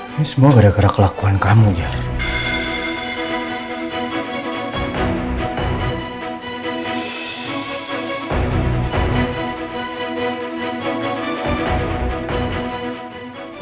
ini semua gara gara kelakuan kamu jarang